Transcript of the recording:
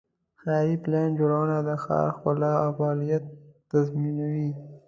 ښاري پلان جوړونه د ښار ښکلا او فعالیت تضمینوي.